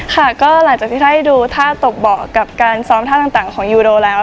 ค่ะก็หลังจากที่ไทยดูท่าตกเบาะกับการซ้อมท่าต่างของยูโดแล้ว